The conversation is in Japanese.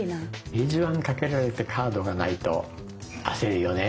ページワンかけられてカードがないと焦るよね。